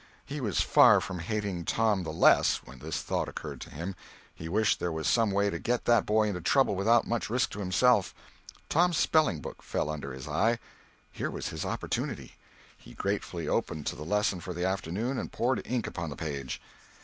He was far from hating Tom the less when this thought occurred to him. He wished there was some way to get that boy into trouble without much risk to himself. Tom's spelling book fell under his eye. Here was his opportunity. He gratefully opened to the lesson for the afternoon and poured ink upon the page.